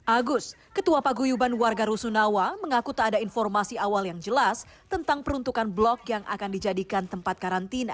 agus ketua paguyuban warga rusunawa mengaku tak ada informasi awal yang jelas tentang peruntukan blok yang akan dijadikan tempat karantina